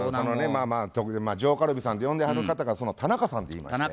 上カルビさんって呼んではる方が田中さんていいまして。